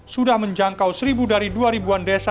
sudah menjangkau seribu dari dua ribuan desa